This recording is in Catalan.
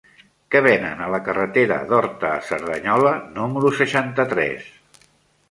Què venen a la carretera d'Horta a Cerdanyola número seixanta-tres?